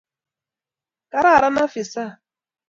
Kararan afisa